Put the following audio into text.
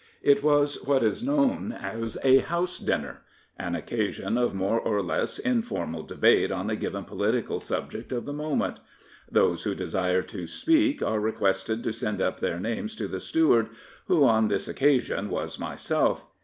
It was what is known as a House Dinner — an occasion of more or less informal debate on a given political subject of the moment. Those who desire to speak are requested to send up their names to the steward, who, on this occasion, was myself.